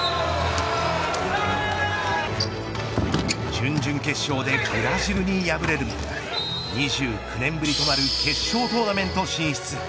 準々決勝でブラジルに敗れるも２９年ぶりとなる決勝トーナメント進出。